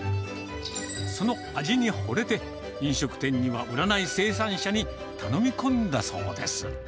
その味にほれて、飲食店には売らない生産者に頼み込んだそうです。